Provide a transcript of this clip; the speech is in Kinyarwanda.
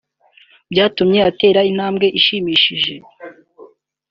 byatumye atera intambwe ishimishije